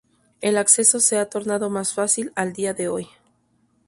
El acceso se ha tornado más fácil al día de hoy.